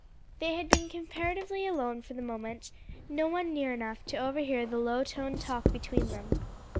'" They had been comparatively alone for the moment, no one near enough to overhear the low toned talk between them.